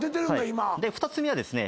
２つ目はですね。